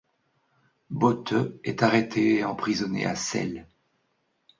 Bothe est arrêtée et emprisonnée à Celle.